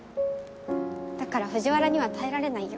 だから藤原には耐えられないよ。